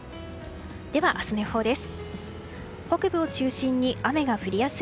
では、明日の予報です。